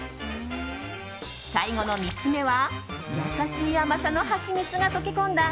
最後の３つ目は優しい甘さのはちみつが溶け込んだ